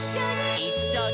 「いっしょに」